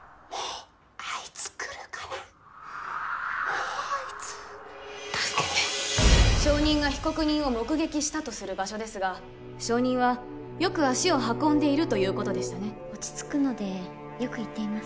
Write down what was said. コーヒー助けて証人が被告人を目撃したとする場所ですが証人はよく足を運んでいるということでしたね落ち着くのでよく行っています